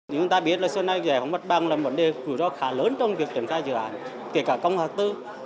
như người ta biết là sớm nay giải phóng mặt bằng là một vấn đề khá lớn trong việc kiểm tra dự án kể cả công tác tư